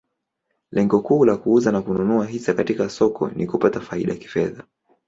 Lengo kuu ya kuuza na kununua hisa katika soko ni kupata faida kifedha.